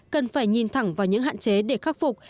cần phải nhìn thẳng vào những hạn chế để khắc phục